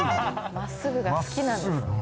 まっすぐが好きなんです。